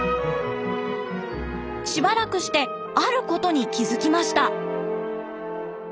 しばらくしてあることに気付きました。